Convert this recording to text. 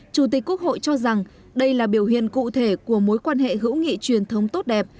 chủ tịch quốc hội cho rằng đây là biểu hiện cụ thể của mối quan hệ hữu nghị truyền thống tốt đẹp